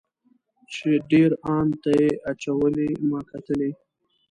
چې ډیر ان ته یې اچولې ما کتلی.